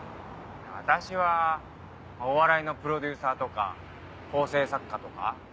私はお笑いのプロデューサーとか構成作家とか？